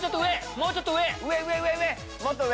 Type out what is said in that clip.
もうちょっと上！